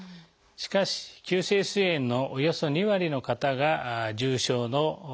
しかし急性すい炎のおよそ２割の方が重症の方です。